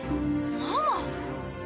ママ！